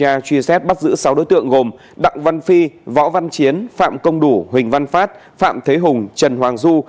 nga truy xét bắt giữ sáu đối tượng gồm đặng văn phi võ văn chiến phạm công đủ huỳnh văn phát phạm thế hùng trần hoàng du